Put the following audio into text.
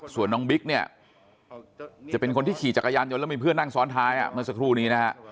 ส่วนน้องบิ๊กเนี่ยจะเป็นคนที่ขี่จักรยานยนต์แล้วมีเพื่อนนั่งซ้อนท้ายเมื่อสักครู่นี้นะฮะ